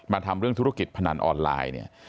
ทำเรื่องธุรกิจพนันออนไลน์เนี่ย